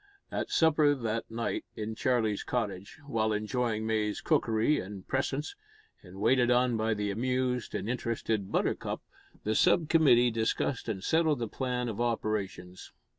At supper that night in Charlie's cottage, while enjoying May's cookery and presence, and waited on by the amused and interested Buttercup, the sub committee discussed and settled the plan of operations.